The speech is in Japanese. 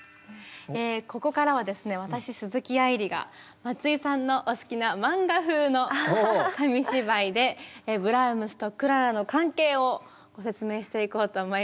ここからはですね私鈴木愛理が松井さんのお好きな漫画風の紙芝居でブラームスとクララの関係をご説明していこうと思います。